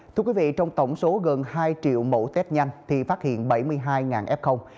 thưa quý vị trong tổng số gần hai triệu mẫu test nhanh thì phát hiện bảy mươi hai f